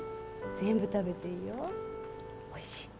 全部食べていいよおいしい？